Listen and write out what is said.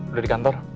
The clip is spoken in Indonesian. udah di kantor